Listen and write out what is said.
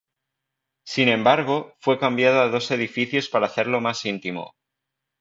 Sin embargo, fue cambiado a dos edificios para hacerlo más íntimo.